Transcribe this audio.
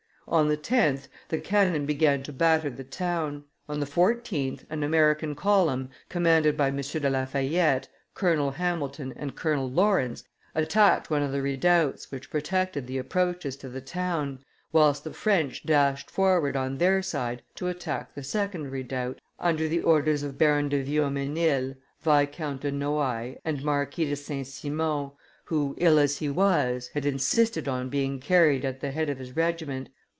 On the 10th, the cannon began to batter the town; on the 14th an American column, commanded by M. de La Fayette, Colonel Hamilton and Colonel Lawrence, attacked one of the redoubts which protected the approaches to the town, whilst the French dashed forward on their side to attack the second redoubt, under the orders of Baron de Viomenil, Viscount de Noailles, and Marquis de St. Simon, who, ill as he was, had insisted on being carried at the head of his regiment.